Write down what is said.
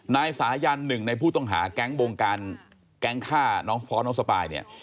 นายสายันหนึ่งในผู้ต้องหาแก๊งบงการแก๊งฆ่าน้องฟอสน้องสปายเนี่ย